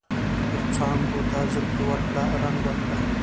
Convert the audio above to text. څانګو ته زلفې ورکړه ، رنګ ورکړه